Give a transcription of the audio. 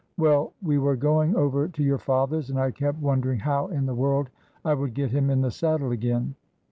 Well, we were going over to your father's, and I kept wondering how in the world I would get him in the saddle again.